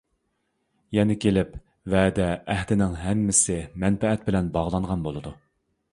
يەنە كېلىپ ۋەدە، ئەھدىنىڭ ھەممىسى مەنپەئەت بىلەن باغلانغان بولىدۇ.